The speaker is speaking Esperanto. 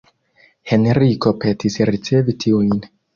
Henriko petis ricevi tiujn.